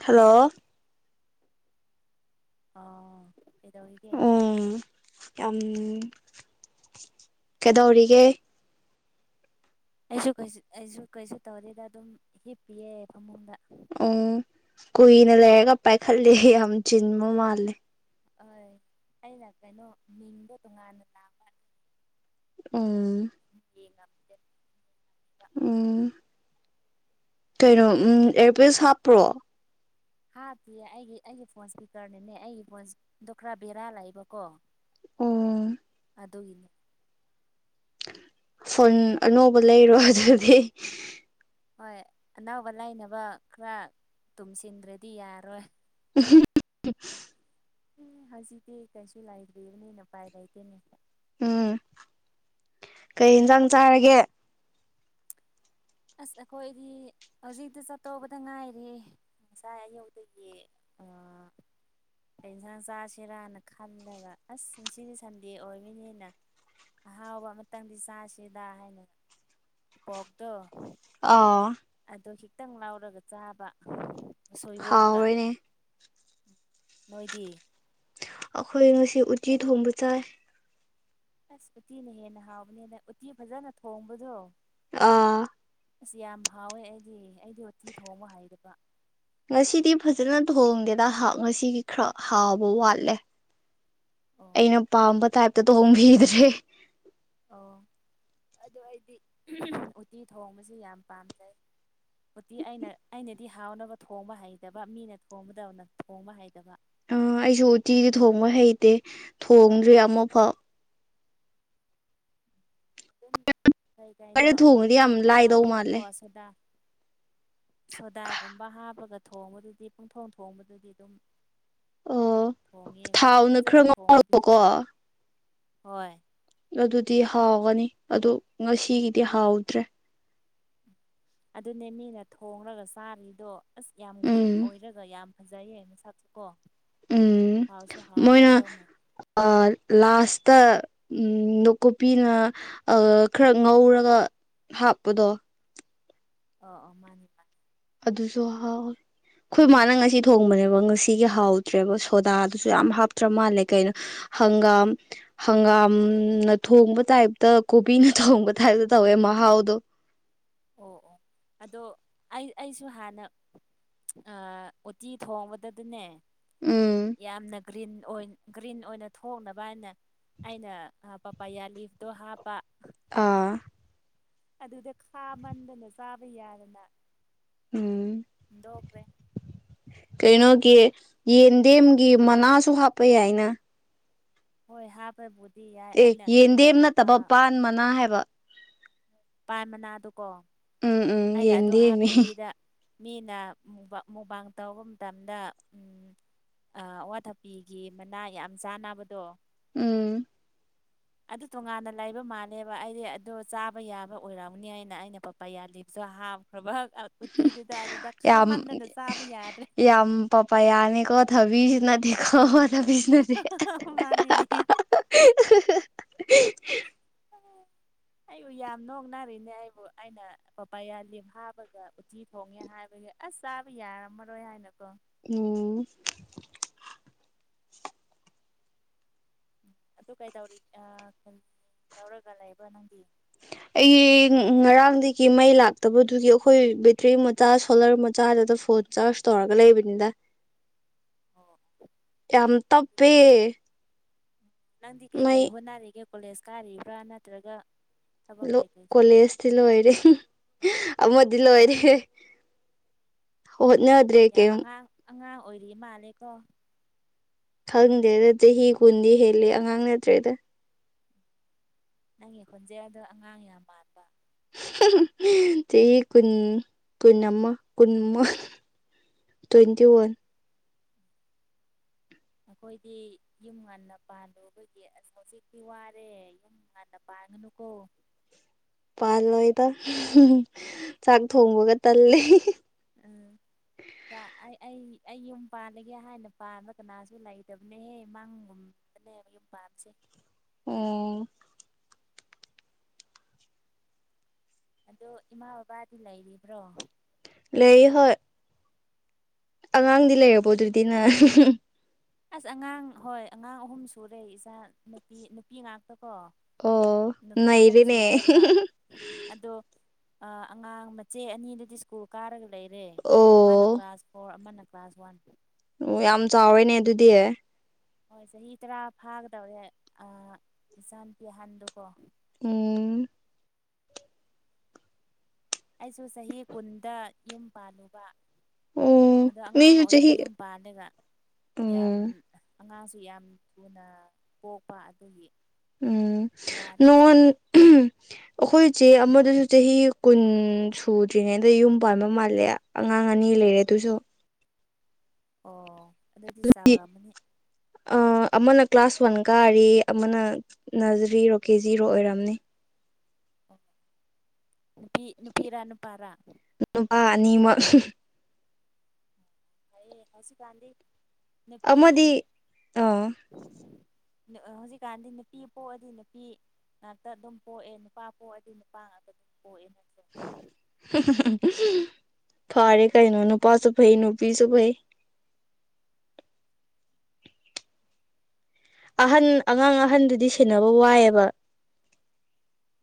Hello ꯑꯥ ꯀꯩꯗꯧꯔꯤꯒꯦ ꯎꯝ ꯌꯥꯝ ꯀꯩꯗꯧꯔꯤꯒꯦ ꯑꯩꯁꯨ ꯀꯩꯁꯨ ꯑꯩꯁꯨ ꯀꯩꯁꯨ ꯇꯧꯗ‌ꯦꯗ ꯑꯗꯨꯝ ꯍꯤꯞꯄꯤꯌꯦ ꯐꯃꯨꯡꯗ ꯑꯣ ꯀꯨꯏꯅ ꯂꯩꯔꯒ ꯄꯥꯏꯈꯠꯂꯍꯤ ꯌꯥꯝ ꯆꯤꯟꯕ ꯃꯥꯜꯂꯦ ꯍ‌ꯦꯏ ꯑꯩꯅ ꯀꯩꯅꯣ ꯃꯤꯡꯗꯣ ꯇꯣꯉꯥꯟꯅ ꯂꯥꯛꯄ ꯎꯝ ꯌ‌ꯦꯡꯉꯝꯗ‌ꯦ ꯎꯝ ꯀꯩꯅꯣ ꯎꯝ ꯑꯦꯌꯥꯔꯄꯤꯁ ꯍꯥꯞꯄ꯭ꯔꯣ ꯍꯥꯞꯄꯤꯌ‌ꯦ ꯑꯩꯒꯤ ꯑꯩꯒꯤ ꯐꯣꯟ ꯏꯁꯄꯤꯀꯔꯅꯤꯅꯦ ꯑꯩꯒꯤ ꯐꯣꯟꯗꯣ ꯈꯔ ꯕꯦꯔꯥ ꯂꯥꯛꯏꯕꯀꯣ ꯑꯣ ꯑꯗꯨꯒꯤꯅꯦ ꯐꯣꯟ ꯑꯅꯧꯕ ꯂꯩꯔꯣ ꯑꯗꯨꯗꯤ ꯍꯣꯏ ꯑꯅꯥꯕ ꯂꯥꯏꯅꯕ ꯈꯔ ꯇꯨꯝꯁꯤꯟꯗ꯭ꯔꯗꯤ ꯌꯥꯔꯣꯏ [unintelligible] [unintelligible] ꯎꯝ ꯍꯧꯖꯤꯛꯇꯤ ꯀꯩꯁꯨ ꯂꯩꯥꯏꯗ꯭ꯔꯤꯕꯅꯤꯅ ꯎꯄꯥꯏ ꯂꯩꯇꯦꯅꯦ ꯎꯝ ꯀꯩ ꯌꯦꯟꯖꯥꯡ ꯆꯥꯔꯒꯦ ꯑꯁ ꯑꯩꯈꯣꯏꯗꯤ ꯍꯧꯖꯤꯛꯇ ꯆꯠꯇꯧꯕꯗ ꯉꯥꯏꯔꯦ ꯉꯁꯥꯏ ꯑꯌꯨꯛꯗꯒꯤ ꯑ ꯀꯩ ꯌꯦꯟꯁꯥꯡ ꯆꯥꯁꯤꯔꯅ ꯈꯟꯂꯒ ꯑꯁ ꯉꯁꯤꯗꯤ ꯁꯟꯗꯦ ꯑꯣꯏꯕꯅꯤꯅ ꯑꯍꯥꯎꯕ ꯑꯃꯇꯪꯗꯤ ꯆꯥꯁꯤꯗ ꯍꯥꯏꯅ ꯄꯣꯛꯇꯣ ꯑꯥꯎ ꯑꯗꯣ ꯈꯤꯛꯇꯪ ꯂꯥꯎꯔꯒ ꯆꯥꯕ ꯁꯣꯏꯕꯨꯝꯒ ꯍꯥꯎꯋ‌ꯦꯅꯦ ꯃꯣꯏꯗꯤ ꯑꯩꯈꯣꯏ ꯉꯁꯤ ꯎꯇꯤ ꯊꯣꯡꯕ ꯆꯥꯏ ꯑꯁ ꯎꯇꯤꯅ ꯍꯦꯟꯅ ꯍꯥꯎꯕꯅꯦꯅ ꯎꯇꯤ ꯐꯖꯅ ꯊꯣꯡꯕꯗꯣ ꯑꯥ ꯑꯁ ꯌꯥꯝ ꯍꯥꯎꯋꯦ ꯑꯩꯗꯤ ꯑꯩꯗꯤ ꯎꯇꯤ ꯊꯣꯡꯕ ꯍꯥꯏꯗꯕ ꯉꯁꯤꯗꯤ ꯐꯖꯅ ꯊꯣꯡꯗꯦꯗ ꯉꯁꯤꯒꯤ ꯈꯔ ꯍꯥꯥꯎꯕ ꯋꯥꯠꯂꯦ ꯑꯣ ꯑꯩꯅ ꯄꯥꯝꯕ ꯇꯥꯏꯞꯇ ꯊ‌ꯣꯡꯕꯤꯗ꯭ꯔꯦ ꯑꯣ ꯑꯗꯨ ꯑꯩꯗꯤ ꯎꯇꯤ ꯊꯣꯡꯕꯁꯦ ꯌꯥꯝ ꯄꯥꯝꯖꯩ ꯎꯇꯤ ꯑꯩꯅ ꯑꯩꯅꯗꯤ ꯍꯥꯎꯅꯕ ꯊꯣꯡꯕ ꯍꯩꯇꯕ ꯃꯤꯅ ꯊꯣꯡꯕꯗ ꯊꯣꯡꯕ ꯍꯩꯇꯕ ꯑ ꯑꯩꯁꯨ ꯎꯇꯤꯗꯤ ꯊꯣꯡꯕ ꯍꯩꯇꯦ ꯊꯣꯡꯗ꯭ꯔꯤ ꯑꯃꯨꯛꯐꯥꯎ ꯑꯗꯨꯝ ꯀꯩ ꯑꯩꯅ ꯀꯥꯏꯩꯅꯣ ꯊꯣꯡꯉꯗꯤ ꯌꯥꯝ ꯂꯥꯏꯗꯧ ꯃꯥꯜꯂꯦ ꯍꯥꯞꯄꯒꯀꯣ ꯁꯤꯗ ꯁꯣꯗꯥꯒꯨꯝꯕ ꯍꯥꯞꯄꯒ ꯊꯣꯡꯕꯗꯨꯗꯤ ꯄꯨꯡꯊꯣꯡ ꯊꯣꯡꯕꯗꯨꯗꯤ ꯑꯗꯨꯝ ꯑꯣ ꯊꯣꯡꯉꯦꯕꯨ ꯊꯥꯎꯅ ꯐꯖꯅ ꯈꯔ ꯊꯣꯡꯕꯗꯤ ꯍꯩ [unintelligible] ꯍꯣꯏ ꯑꯗꯨꯗꯤ ꯍꯥꯎꯒꯅꯤ ꯑꯗꯨ ꯉꯁꯤꯒꯤꯗꯤ ꯍꯥꯎꯗ꯭ꯔꯦ ꯑꯗꯨꯅꯦ ꯃꯤꯅ ꯊꯣꯡꯔꯒ ꯆꯥꯔꯤꯗꯣ ꯑꯁ ꯌꯥꯝ ꯒ꯭ꯔꯤꯟ ꯎꯝ ꯑꯣꯏꯔꯒ ꯗꯨꯒ꫰ꯌꯥꯝ ꯐꯖꯩꯌꯦ ꯃꯁꯛꯁꯨ ꯀꯣ ꯎꯝ ꯍꯥꯎꯁꯨ ꯃꯣꯏꯅ ꯍꯥꯎꯔꯝꯗꯧ ꯃꯥꯜꯂꯦ ꯑꯥ ꯂꯥꯁꯇ ꯎꯝ ꯅꯨꯀꯨꯄꯤꯅ ꯑ ꯈꯔ ꯉꯧꯔꯒ ꯍꯥꯞꯄꯗꯣ ꯑ ꯑ ꯃꯥꯅꯦ ꯃꯥꯅꯦ ꯑꯗꯨꯁꯨ ꯍꯥꯎꯋꯤ ꯈꯣꯏ ꯃꯥꯅ ꯉꯁꯤ ꯊꯣꯡꯕꯅꯦꯕ ꯉꯁꯤꯒꯤ ꯍꯥꯎꯇ꯭ꯔꯦꯕ ꯁꯣꯗꯥꯗꯨꯁꯨ ꯌꯥꯝ ꯍꯥꯞꯇ꯭ꯔ ꯃꯥꯜꯂꯦ ꯀꯩꯅꯣ ꯍꯪꯒꯥꯝ ꯍꯪꯒꯥꯝꯅ ꯊꯣꯡꯕ ꯇꯥꯏꯞꯇ ꯀꯣꯕꯤꯅ ꯊꯣꯡꯕ ꯇꯥꯏꯞꯇ ꯇꯧꯋꯦ ꯃꯍꯥꯎꯗꯣ ꯑꯣ ꯑꯣ ꯑꯗꯣ ꯑꯩ ꯑꯩꯁꯨ ꯍꯥꯟꯅ ꯑ ꯑꯣꯇꯤ ꯊꯣꯡꯕꯗꯗꯤꯅꯦ ꯎꯝ ꯌꯥꯝꯅ ꯒ꯭ꯔꯤꯟ ꯑꯣꯏ ꯒ꯭ꯔꯤꯟ ꯑꯣꯏꯅ ꯊꯣꯛꯅꯕꯅ ꯑꯩꯅ ꯄꯄꯥꯌꯥ ꯂꯤꯐꯇꯣ ꯍꯥꯞꯄ ꯑꯥ ꯑꯗꯨꯗ ꯈꯥ ꯃꯟꯗꯅ ꯆꯥꯕ ꯌꯥꯗꯅ ꯎꯝ ꯗꯣꯛꯈ꯭ꯔꯦ ꯀꯩꯅꯣꯒꯤ ꯌꯦꯟꯗꯦꯝꯒꯤ ꯃꯅꯥꯁꯨ ꯍꯥꯞꯄ ꯌꯥꯏꯅ ꯍꯣꯏ ꯍꯥꯞꯄꯦꯕꯨ ꯑꯦ ꯌꯦꯟꯗꯦꯝ ꯅꯠꯇꯕ ꯄꯥꯟ ꯃꯅꯥ ꯍꯥꯏꯕ ꯄꯥꯟ ꯃꯅꯥꯗꯀꯣ ꯎꯝ ꯎꯝ ꯑꯩꯅ ꯑꯗꯣ ꯌꯦꯟꯗꯦꯝꯃꯤ ꯍꯥꯞꯇꯕꯤꯗ ꯃꯤꯅ ꯃꯨꯛꯕꯥꯡ ꯃꯨꯛꯕꯥꯡ ꯇꯧꯕ ꯃꯇꯝꯗ ꯎꯝ ꯑꯋꯥꯊꯄꯤꯒꯤ ꯃꯅꯥ ꯌꯥꯝ ꯆꯥꯅꯕꯗꯣ ꯎꯝ ꯑꯗꯨ ꯇꯣꯉꯥꯟꯅ ꯂꯩꯕ ꯃꯥꯜꯂꯦꯕ ꯑꯩꯗꯤ ꯑꯗꯨ ꯆꯥꯕ ꯌꯥꯕ ꯑꯣꯏꯔꯝꯅꯤ ꯍꯥꯏꯅ ꯑꯩꯅ ꯄꯄꯥꯌꯥ ꯌꯥꯂꯤꯞꯇꯣ ꯍꯥꯞ ꯕ ꯎꯇꯤꯗꯨꯗ ꯑꯗꯨꯗ ꯌꯥꯝ ꯈꯥꯃꯟꯗꯅ ꯆꯥꯕ ꯌꯥꯗ꯭ꯔꯦ ꯌꯥꯝ ꯄꯄꯥꯌꯥ ꯌꯥꯅꯤꯀꯣ ꯊꯕꯤꯁꯨ ꯅꯠꯇꯦꯀꯣ ꯊꯕꯤꯁꯨ ꯅꯠꯇꯦ ꯃꯥꯅꯤꯅꯦ [unintelligible] ꯑꯩꯕꯨ ꯌꯥꯝ ꯅꯣꯛꯅꯔꯤꯅꯦ ꯑꯩꯕꯨ ꯑꯩꯅ ꯄꯄꯥꯌꯥ ꯂꯤꯞ ꯍꯥꯞꯕꯒ ꯎꯠꯇꯤ ꯊꯣꯡꯉꯦ ꯍꯥꯏꯕꯒꯤ ꯑꯁ ꯆꯥꯕ ꯌꯥꯔꯝꯃꯔꯣꯏ ꯍꯥꯏꯅꯀꯣ ꯎꯝ ꯑꯗꯨ ꯀꯩꯇꯧꯔꯤ ꯑꯥ ꯀꯔꯤ ꯇꯧꯔꯒ ꯂꯩꯕ ꯅꯪꯗꯤ ꯑꯩ ꯉꯔꯥꯡꯗꯒꯤ ꯃꯩ ꯂꯥꯛꯇꯕꯗꯨꯒꯤ ꯑꯈꯣꯏ ꯕꯦꯇ꯭ꯔꯤ ꯃꯆꯥ ꯁꯣꯂꯔ ꯃꯆꯥ ꯑꯗꯨꯗ ꯐꯣꯟ ꯆꯥꯔꯖ ꯇꯧꯔꯒ ꯂꯩꯕꯅꯤꯗ ꯑꯣ ꯌꯥꯝ ꯇꯞꯄꯦ ꯅꯪꯗꯤ ꯀꯩ ꯃꯩ ꯀꯩ ꯍꯣꯠꯅꯔꯤꯒꯦ ꯀꯣꯂꯦꯖ ꯀꯥꯔꯤꯕ꯭ꯔꯥ ꯅꯠꯇ꯭ꯔꯒ ꯊꯕꯛ ꯂꯣ ꯀꯩꯀꯩ ꯀꯣꯂꯦꯖ ꯇꯤ ꯂꯣꯏꯔꯦ ꯑꯃꯗꯤ ꯑꯣ ꯂꯣꯏꯔꯦ ꯍꯣꯠꯅ ꯌꯥꯝ ꯑꯉꯥꯡ ꯑꯉꯥꯡ ꯑꯣꯏꯔꯤ ꯃꯥꯜꯂꯦꯀꯣ ꯈꯪꯗꯦꯗ ꯆꯍꯤ ꯀꯨꯟꯗꯤ ꯍꯦꯜꯂꯦ ꯑꯉꯥꯡ ꯅꯠꯇ꯭ꯔꯦꯗ ꯅꯪꯒꯤ ꯈꯣꯟꯖꯦꯟꯗꯣ ꯑꯉꯥꯡ ꯌꯥꯝ ꯃꯥꯟꯕ ꯆꯍꯤ ꯀꯨꯟ ꯀꯨꯟ ꯑꯃ ꯀꯟꯃ ꯇ꯭ꯋꯦꯟꯇꯤ ꯋꯥꯟ ꯑꯈꯣꯏꯗꯤ ꯌꯨꯝ ꯉꯟꯅ ꯄꯥꯟꯜꯎꯕꯒꯤ ꯑꯁ ꯍꯖꯤꯛꯇꯤ ꯋꯥꯔꯦ ꯍꯅ ꯄꯥꯒꯅꯨꯀꯣ ꯄꯥꯜꯂꯣꯢꯗ ꯆꯥꯛ ꯊꯣꯡꯕꯒ ꯇꯜꯂꯤ ꯎꯝ ꯗꯥ ꯑꯩ ꯑꯩ ꯑꯩ ꯌꯨꯝ ꯄꯥꯜꯂꯒꯦ ꯍꯥꯢꯅ ꯄꯥꯟꯕ ꯀꯅꯥꯁꯨ ꯂꯩꯇꯕꯅꯍꯦ ꯃꯥꯡꯒꯨꯝ ꯑꯅꯦꯝ ꯌꯨꯝ ꯄꯥꯟꯁꯦ ꯎꯝ ꯑꯗꯣ ꯏꯃꯥ ꯕꯕꯥꯗꯤ ꯂꯩꯔꯤꯕ꯭ꯔꯣ ꯂꯩꯌꯦ ꯍꯣꯢ ꯑꯉꯥꯡꯗꯤ ꯂꯩꯔꯕꯣ ꯑꯗꯨꯗꯤ ꯅꯪ [unintelligible] ꯑꯁ ꯑꯉꯥꯡ ꯍꯣꯢ ꯑꯉꯥꯡ ꯑꯍꯨꯝ ꯁꯨꯔꯦ ꯏꯆꯥ ꯅꯨꯄꯤ ꯅꯨꯄꯤ ꯉꯥꯛꯇ ꯀꯣ ꯑꯣ ꯅꯨꯄꯤ ꯑꯍꯨꯝ ꯅꯩꯔꯦꯅꯦ ꯁꯨꯔꯦꯕ ꯑꯗꯣ ꯑ ꯑꯉꯥꯡ ꯃꯆꯦ ꯑꯅꯤꯗꯨꯗꯤ ꯁ꯭ꯀꯨꯜ ꯀꯥꯔꯒ ꯂꯩꯌꯦ ꯔꯦ ꯑꯃꯅ ꯑꯣ ꯀ꯭ꯂꯥꯁ ꯐꯣꯔ ꯑꯃꯅ ꯀ꯭ꯂꯥꯁ ꯋꯥꯟ ꯑꯣ ꯌꯥꯝ ꯆꯥꯎꯋꯦꯅꯦ ꯑꯗꯨꯗꯤ ꯍꯣꯢ ꯆꯍꯤ ꯇꯔꯥ ꯐꯥꯒꯗꯧꯔꯦ ꯑꯥ ꯏꯆꯥ ꯅꯨꯨꯄꯤ ꯑꯍꯟꯗꯨꯀꯣ ꯎꯝ ꯑꯩꯁꯨ ꯆꯍꯤ ꯀꯨꯟꯗ ꯌꯨꯝ ꯄꯥꯜꯂꯦꯕ ꯑꯣ ꯑꯗꯣ ꯑꯉꯥꯡ ꯃꯤꯁꯨ ꯑꯣꯢꯅ ꯆꯍꯤ ꯌꯨꯝ ꯄꯥꯜꯂꯒ ꯌꯥꯝ ꯎꯝ ꯑꯉꯥꯡꯁꯨ ꯌꯥꯝ ꯊꯨꯅ ꯄꯣꯛꯄ ꯑꯗꯨꯒꯤ ꯎꯝ ꯋꯥꯔꯦ ꯍꯧꯖꯤꯛ ꯅꯣꯉꯣꯟ ꯑꯩꯈꯣꯢ ꯁꯦ ꯑꯃꯗꯨꯁꯨ ꯆꯍꯤ ꯀꯨꯟ ꯁꯨꯗ꯭ꯔꯤꯉꯩꯗ ꯌꯨꯝ ꯄꯥꯟꯕ ꯃꯥꯜꯂꯦ ꯑꯉꯥꯡ ꯑꯅꯤ ꯂꯩꯔꯦ ꯑꯗꯨꯁꯨ ꯑꯣ ꯑꯗꯨꯗꯤ ꯆꯥꯎꯔꯝꯃꯅꯤ ꯑꯃꯅ ꯀ꯭ꯂꯥꯁ ꯋꯥꯟ ꯀꯥꯔꯤ ꯑꯃꯅ ꯅꯖꯔꯤꯔꯣ ꯀꯦꯖꯤꯔꯣ ꯑꯣꯢꯔꯝꯅꯤ ꯅꯨꯄꯤ ꯅꯨꯄꯤꯔꯥ ꯅꯨꯄꯥꯔꯥ ꯅꯨꯄꯥ ꯑꯅꯤꯃꯛ ꯍꯌꯦ ꯍꯧꯁꯤꯛꯀꯥꯟꯗꯤ ꯅꯨꯄꯤ ꯑꯃꯗꯤ [inaudible] ꯍꯧꯖꯤꯛꯀꯥꯟꯗꯤ ꯅꯨꯄꯤ ꯄꯣꯛꯑꯗꯤ ꯅꯨꯄꯤ ꯉꯥꯛꯇ ꯑꯗꯨꯝ ꯄꯣꯛꯑꯦ ꯅꯨꯄꯥ ꯄꯣꯛꯑꯗꯤ ꯅꯨꯄꯥ ꯉꯥꯛꯇ ꯑꯗꯨꯝ ꯄꯣꯛꯑꯦ ꯅꯦ [unintelligible] ꯐꯔꯦ ꯀꯩꯅꯣ ꯅꯨꯄꯥꯁꯨ ꯐꯩ ꯅꯨꯄꯤꯁꯨ ꯐꯩ ꯑꯍꯟ ꯑꯉꯥꯡ ꯑꯍꯟꯗꯨꯗꯤ ꯁꯦꯟꯅꯕ ꯋꯥꯢꯌꯦꯕ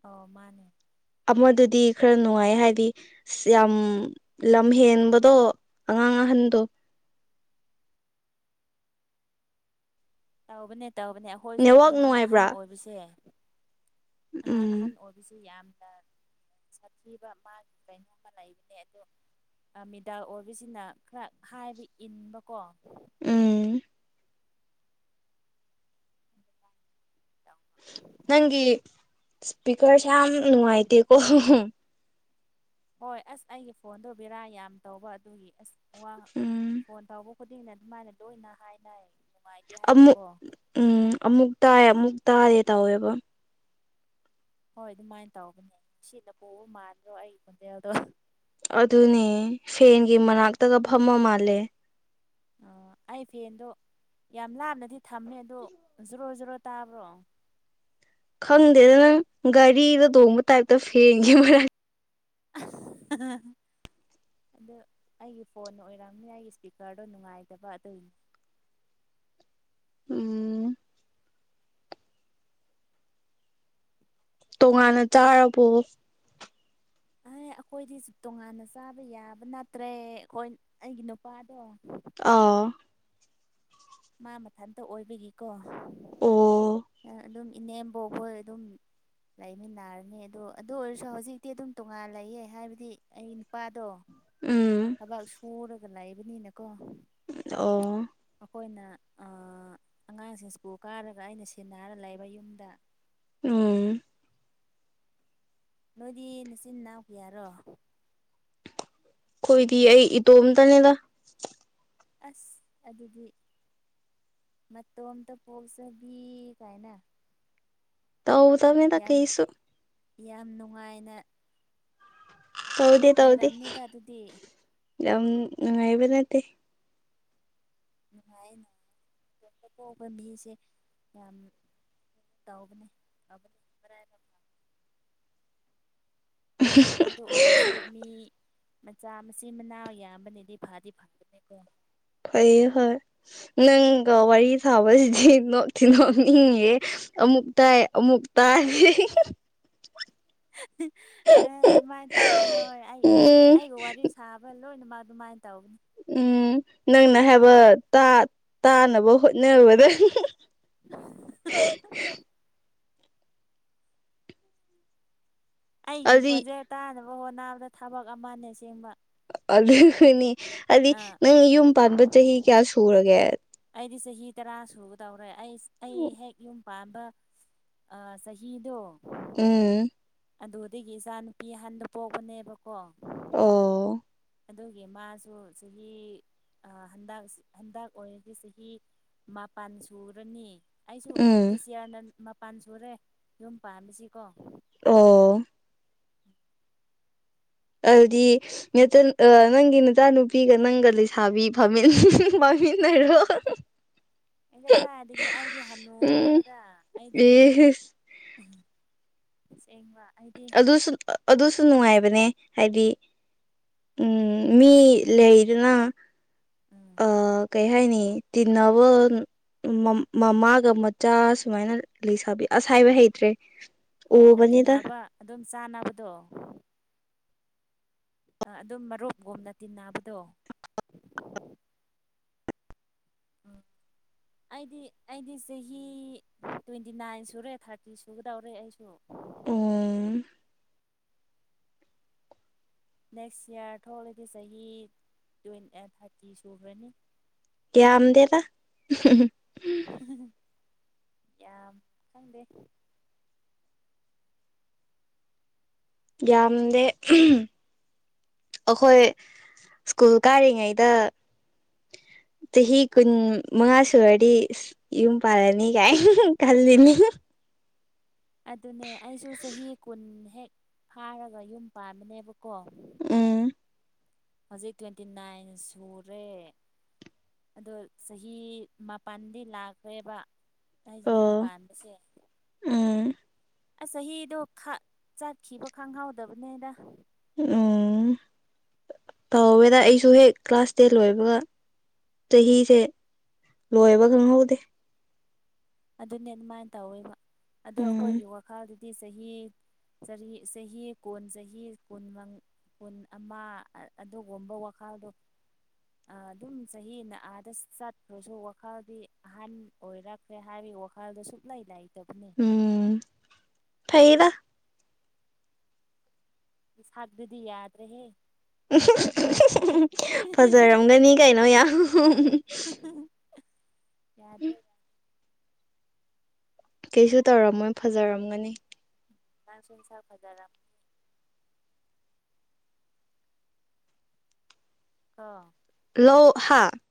ꯑꯣ ꯃꯥꯅꯦ ꯑꯃꯗꯨꯗꯤ ꯈꯔ ꯅꯨꯡꯉꯥꯢꯌꯦ ꯍꯥꯢꯗꯤ ꯑꯁ ꯌꯥꯝ ꯂꯝ ꯍꯦꯟꯕꯗꯣ ꯑꯉꯥꯡ ꯑꯍꯟꯗꯣ ꯇꯧꯕꯅꯦ ꯇꯧꯕꯅꯦ ꯑꯩꯈꯣꯢꯁꯨ ꯅꯦꯠꯋꯥꯛ ꯑꯉꯥꯡ ꯑꯍꯟ ꯅꯨꯡꯉꯥꯏꯕ꯭ꯔꯥ ꯑꯣꯢꯕꯁꯦ ꯑꯉꯥꯡ ꯎꯝ ꯑꯍꯟ ꯑꯣꯢꯕꯁꯤ ꯌꯥꯝꯅ ꯁꯥꯊꯤꯕ ꯃꯥꯒꯤ ꯀꯩꯅꯣꯝꯃ ꯂꯩꯕꯅꯦ ꯑꯗꯨ ꯃꯤꯗꯥꯜ ꯑꯣꯢꯕꯁꯤꯅ ꯈꯔ ꯍꯥꯢꯕ ꯏꯟꯕꯀꯣ ꯎꯝ ꯅꯪꯒꯤ ꯏꯁꯄꯤꯀꯔꯁꯦ ꯌꯥꯝ ꯅꯨꯡꯉꯥꯢꯇꯦꯀꯣ [unintelligible] ꯍꯣꯢ ꯑꯁ ꯑꯩꯒꯤ ꯐꯣꯟꯗꯣ ꯕꯦꯔꯥ ꯌꯥꯝ ꯇꯧꯕ ꯑꯗꯨꯒꯤ ꯑꯁ ꯋꯥ ꯎꯝ ꯐꯣꯟ ꯇꯧꯕ ꯈꯨꯗꯤꯡꯅ ꯑꯗꯨꯃꯥꯢꯅ ꯂꯣꯢꯅ ꯍꯥꯢꯅꯩ ꯅꯨꯡꯉꯥꯢꯇꯦ ꯑꯃꯨꯛ ꯍꯥꯢꯅꯀꯣ ꯎꯝ ꯑꯃꯨꯛ ꯇꯥꯢ ꯑꯃꯨꯛ ꯇꯥꯗꯦ ꯇꯧꯋꯦꯕ ꯍꯣꯢ ꯑꯗꯨꯃꯥꯏꯅ ꯇꯧꯕꯅꯦ ꯁꯤꯅ ꯄꯨꯕ ꯃꯥꯟꯗ꯭ꯔꯣ ꯑꯩꯒꯤ ꯈꯣꯟꯖꯦꯜꯗꯣ ꯑꯗꯨꯅꯦ ꯐꯦꯟꯒꯤ ꯃꯅꯥꯛꯇꯒ ꯐꯝꯃ ꯃꯥꯜꯂꯦ ꯑꯣ ꯑꯩ ꯐꯦꯟꯗꯣ ꯌꯥꯝ ꯂꯥꯞꯅꯗꯤ ꯊꯝꯃꯦ ꯑꯗꯣ ꯖꯣꯔꯣ ꯖꯣꯔꯣ ꯇꯥꯕ꯭ꯔꯣ꯫ ꯈꯪꯗꯦꯗ ꯅꯪ ꯒꯥꯔꯤꯗ ꯇꯣꯡꯕ ꯇꯥꯏꯞꯇ ꯐꯦꯡꯒꯤ ꯃꯔꯝ꯫ ꯑ ꯑꯗꯨ ꯑꯩꯒꯤ ꯐꯣꯟ ꯑꯣꯏꯔꯝꯅꯤ ꯑꯩꯒꯤ ꯏꯁꯄꯤꯀꯔꯗꯣ ꯅꯨꯡꯉꯥꯏꯇꯕ ꯑꯗꯨꯏꯅꯤ꯫ ꯎꯝ꯫ ꯇꯣꯉꯥꯟꯅ ꯆꯥꯔꯕꯣ꯫ ꯑꯦ ꯑꯩꯈꯣꯏꯗꯤꯁꯨ ꯇꯣꯉꯥꯟꯅ ꯆꯥꯕ ꯌꯥꯕ ꯅꯠꯇ꯭ꯔꯦ ꯑꯩꯈꯣꯏ ꯑꯩꯒꯤ ꯅꯨꯄꯥꯗꯣ ꯑꯥ꯫ ꯃꯥ ꯃꯊꯟꯇ ꯑꯣꯏꯕꯒꯤꯀꯣ꯫ ꯑꯣ ꯑꯗꯨꯝ ꯏꯅꯦꯝꯕ ꯍꯣꯏ ꯑꯗꯨꯝ ꯂꯩꯅꯔꯅꯤ ꯑꯗꯨ ꯑꯗꯨ ꯑꯣꯏꯔꯁꯨ ꯍꯧꯖꯤꯛꯇꯤ ꯑꯗꯨꯝ ꯇꯣꯉꯥꯟ ꯂꯩꯌꯦ ꯍꯥꯏꯕꯗꯤ ꯑꯩ ꯅꯨꯄꯥꯗꯣ ꯎꯝ꯫ ꯊꯕꯛ ꯁꯨꯔꯒ ꯂꯩꯕꯅꯤꯅꯀꯣ꯫ ꯑꯣ꯫ ꯑꯩꯈꯣꯏꯅ ꯑ ꯑꯉꯥꯡꯁꯤꯡ ꯁ꯭ꯀꯨꯜ ꯀꯥꯔꯒ ꯑꯩꯅ ꯁꯦꯟꯅꯔ ꯂꯩꯕ ꯌꯨꯝꯗ꯫ ꯎꯝ꯫ ꯅꯣꯏꯗꯤ ꯅꯆꯤꯟ ꯅꯅꯥꯎ ꯀꯌꯥꯔꯣ꯫ ꯑꯩꯈꯣꯏꯗꯤ ꯑꯩ ꯏꯇꯣꯝꯇꯅꯦꯗ꯫ ꯑꯁ ꯑꯗꯨꯗꯤ ꯃꯇꯣꯝꯇ ꯄꯣꯛꯆꯕꯤ ꯀꯥꯏꯅ꯫ ꯇꯧꯗꯃꯤꯗ ꯌꯥꯝ ꯀꯩꯁꯨ꯫ ꯌꯥꯝ ꯅꯨꯡꯉꯥꯏꯅ ꯇꯧꯗꯦ ꯇꯧꯗꯦ ꯂꯩꯔꯝꯅꯤꯗ ꯑꯗꯨꯗꯤ ꯌꯥꯝ ꯅꯨꯡꯉꯥꯢꯕ ꯅꯠꯇꯦ꯫ ꯅꯨꯡꯉꯥꯏꯅ ꯃꯇꯣꯝꯇ ꯄꯣꯛꯄ ꯃꯤꯁꯦ ꯌꯥꯝ ꯇꯧꯕꯅꯦ ꯐꯕꯅꯦ ꯃꯔꯥꯏꯕꯛ ꯫ ꯎ [unintelligible] ꯑꯗꯨ ꯑꯣꯏꯔꯁꯨ ꯃꯤ ꯃꯆꯥ ꯃꯆꯤꯟ ꯃꯅꯥꯎ ꯌꯥꯝꯕꯅꯤꯗꯤ ꯐꯗꯤ ꯐꯕꯅꯦꯀꯣ꯫ ꯐꯩꯌꯦ ꯍꯣꯏ ꯅꯪꯒ ꯋꯥꯔꯤ ꯁꯥꯕꯁꯤꯗꯤ ꯅꯣꯛꯇꯤ ꯅꯣꯛꯅꯤꯡꯉꯤꯍꯦ꯫ ꯑꯃꯨꯛ ꯇꯥꯏ ꯑꯃꯨꯛ ꯇꯥꯏꯗꯦ꯫ ꯑ ꯑꯗꯨꯃꯥꯏꯅ ꯇꯧꯕꯅꯦ ꯍꯣꯏ ꯑꯩ ꯎꯝ ꯑꯩꯒ ꯋꯥꯔꯤ ꯁꯥꯕ ꯂꯣꯏꯅꯃꯛ ꯑꯗꯨꯃꯥꯏꯅ ꯇꯧꯕꯅꯦ꯫ ꯎꯝ ꯅꯪꯅ ꯍꯥꯏꯕ ꯇꯥ ꯇꯥꯅꯕ ꯍꯣꯠꯅꯕꯗ [unintelligible] ꯍ [unintelligible] ꯑꯩꯒꯤ ꯑꯗꯨ ꯈꯣꯟꯖꯦꯜ ꯇꯥꯅꯕ ꯍꯣꯠꯅꯕꯗ ꯊꯕꯛ ꯑꯃꯅꯤ ꯑꯁꯦꯡꯕ꯫ ꯑꯗꯨꯒꯅꯤ ꯍꯥꯏꯗꯤ ꯑꯥ ꯅꯪꯗꯤ ꯌꯨꯝ ꯄꯥꯟꯕ ꯆꯍꯤ ꯀꯌꯥ ꯁꯨꯔꯒꯦ꯫ ꯑꯩꯗꯤ ꯆꯍꯤ ꯇꯔꯥ ꯁꯨꯒꯗꯧꯔꯦ ꯑꯩ ꯑꯩ ꯍꯦꯛ ꯌꯨꯝ ꯄꯥꯟꯕꯥ ꯑꯥ ꯆꯍꯤꯗꯣ꯫ ꯎꯝ꯫ ꯑꯗꯨꯗꯒꯤ ꯏꯆꯥ ꯅꯨꯨꯄꯤ ꯑꯍꯟꯗꯣ ꯄꯣꯛꯄꯅꯦꯕꯀꯣ꯫ ꯑꯣ꯫ ꯑꯗꯨꯒꯤ ꯃꯥꯁꯨ ꯆꯍꯤ ꯑ ꯍꯟꯗꯛ ꯍꯟꯗꯛ ꯑꯣꯏꯔꯗꯤ ꯆꯍꯤ ꯃꯥꯄꯟ ꯁꯨꯔꯅꯤ꯫ ꯑꯩꯁꯨ ꯎꯝ ꯗꯤꯁ ꯢꯌꯥꯔꯅ ꯃꯄꯥꯟ ꯁꯨꯔꯦ ꯌꯨꯝ ꯄꯥꯝꯕꯁꯤꯀꯣ꯫ ꯑꯣ꯫ ꯑꯗꯨꯗꯤ ꯅꯦ ꯇꯨꯟ ꯑꯥ ꯅꯪꯒꯤ ꯅꯆꯥ ꯅꯨꯄꯤꯒ ꯅꯪꯒ ꯂꯩꯁꯥꯕꯤ ꯐꯥꯃꯤꯟ- ꯐꯥꯃꯤꯟꯅꯔꯣ INAUDIBLE ꯑꯦ ꯀꯗꯥꯢꯗꯒꯤ ꯑꯩꯗꯤ ꯍꯟꯅꯨꯈ꯭ꯔꯦꯗ ꯑꯩꯗꯤ ꯏꯁ ꯎꯎꯪ ꯑꯁꯦꯡꯕ ꯑꯩꯗꯤ ꯑꯗꯨꯁꯨ ꯑꯥ ꯑꯗꯨꯁꯨ ꯅꯨꯡꯉꯥꯏꯕꯅꯤ ꯍꯥꯏꯗꯤ ꯎꯪꯎꯪ ꯃꯤ ꯂꯩꯗꯅ ꯎꯝ ꯑꯥ ꯀꯩ ꯍꯥꯏꯅꯤ ꯇꯤꯟꯅꯕ ꯃꯝ ꯃꯃꯥꯒ ꯃꯆꯥ ꯁꯨꯃꯥꯏꯅ ꯂꯩꯁꯥꯕꯤ ꯑꯥꯁ ꯍꯥꯢꯕ ꯍꯩꯇ꯭ꯔꯦ ꯑꯣ ꯑꯣ ꯎꯕꯅꯤꯗ ꯇꯤꯟꯅꯕ ꯑꯗꯨꯝ ꯆꯥꯟꯅꯕꯗꯣ ꯑꯥ ꯑꯗꯨꯝ ꯃꯔꯨꯞꯒꯨꯝꯅ ꯇꯤꯟꯅꯕꯗꯣ INAUDIBLE ꯑꯩꯗꯤ ꯑꯩꯗꯤ ꯆꯍꯤ ꯇ꯭ꯋꯦꯟꯇꯤ ꯅꯥꯏꯟ ꯁꯨꯔꯦ ꯊꯥꯔꯇꯤ ꯁꯨꯒꯗꯧꯔꯦ ꯑꯩꯁꯨ ꯑꯣꯎꯪ ꯅꯦꯛꯁ ꯏꯌꯥꯔ ꯊꯣꯛꯂꯗꯤ ꯆꯍꯤ ꯇꯣꯢꯟ ꯑꯥ ꯥꯔꯇꯤ ꯁꯨꯈ꯭ꯔꯅꯤ ꯌꯥꯝꯗꯦꯗ ꯌꯥꯝ ꯈꯪꯗꯦ ꯌꯥꯝꯗꯦ ꯑꯈꯣꯏ ꯁ꯭ꯀꯨꯜ ꯀꯥꯔꯤꯉꯩꯗ ꯆꯍꯤ ꯀꯨꯟ ꯃꯉꯥ ꯁꯨꯔꯗꯤ ꯌꯨꯝ ꯄꯥꯜꯂꯅꯤ ꯀꯥꯏ ꯈꯜꯂꯤꯅꯤ ꯑꯗꯨꯅꯦ ꯑꯩꯁꯨ ꯆꯍꯤ ꯀꯨꯟ ꯍꯦꯛ ꯐꯥꯔꯒ ꯌꯨꯝ ꯄꯥꯟꯕꯅꯦꯕꯀꯣ ꯎꯪ ꯍꯧꯖꯤꯛ ꯇ꯭ꯋꯦꯟꯇꯤ ꯅꯥꯏꯟ ꯁꯨꯔꯦ ꯑꯗꯣ ꯆꯍꯤ ꯃꯥꯄꯜꯗꯤ ꯂꯥꯛꯈ꯭ꯔꯦꯕ ꯑꯩꯗꯤ ꯌꯨꯝ ꯑꯣ ꯄꯥꯟꯕꯁꯦ ꯎꯝ ꯑꯥꯁ ꯆꯍꯤꯗꯣ ꯈꯥ ꯆꯠꯈꯤꯕ ꯈꯪꯍꯧꯗꯕꯅꯦꯗ ꯎꯎꯪ ꯇꯧꯋꯦꯗ ꯑꯩꯁꯨ ꯍꯦꯛ ꯀ꯭ꯂꯥꯁ ꯇꯦꯟ ꯂꯣꯏꯕꯒ ꯆꯍꯤꯁꯦ ꯂꯣꯏꯕ ꯈꯪꯍꯧꯗꯦ ꯑꯗꯨꯅꯦ ꯑꯗꯨꯃꯥꯏꯅ ꯇꯧꯋꯦꯕ ꯑꯗꯣ ꯎꯝ ꯑꯩꯈꯣꯏꯒꯤ ꯋꯥꯈꯜꯗꯨꯗꯤ ꯆꯍꯤ ꯆꯍꯤ ꯆꯍꯤ ꯀꯨꯟ ꯆꯍꯤ ꯀꯨꯟ ꯃꯪ ꯀꯨꯟ ꯑꯃ ꯑꯗꯨꯒꯨꯝꯕ ꯋꯥꯈꯜꯗꯣ ꯑꯥ ꯑꯗꯨꯝ ꯆꯍꯤꯅ ꯑꯥꯗ ꯆꯠꯈ꯭ꯔꯁꯨ ꯋꯥꯈꯜꯗꯤ ꯑꯍꯟ ꯑꯣꯏꯔꯛ ꯈ꯭ꯔꯦ ꯍꯥꯏꯕꯩ ꯋꯥꯈꯜꯗꯨ ꯁꯨꯡꯂꯩ ꯂꯩꯇꯕꯅꯦ ꯎꯪꯎꯪ ꯐꯩꯗ ꯅꯁꯥꯗꯨꯗꯤ ꯌꯥꯗ꯭ꯔꯦꯍꯦ ꯐꯖꯔꯝꯒꯅꯤ ꯀꯩꯅꯣ ꯌꯥꯌꯥꯝ ꯌꯥꯗ꯭ꯔꯦꯗ ꯀꯩꯁꯨ ꯇꯧꯔꯝꯃꯣꯏ ꯐꯖꯔꯝꯒꯅꯤ ꯅꯪꯁꯦ ꯁꯛ ꯐꯖꯔꯝ ꯀꯥ ꯂꯣꯍꯥ